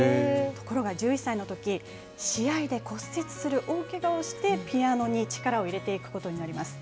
ところが１１歳のとき、試合で骨折する大けがをして、ピアノに力を入れていくことになります。